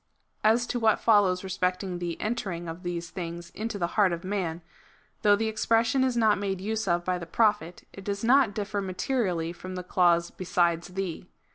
As to what follows respecting the entering of these things into the heart of man, though the expression is not made use of by the Prophet, it does not differ materially from the clause besides thee.